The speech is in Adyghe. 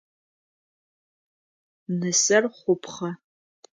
Нысэр хъупхъэ.